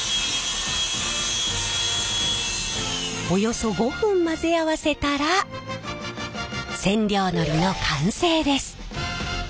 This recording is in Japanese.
およそ５分混ぜ合わせたら染料のりの完成です。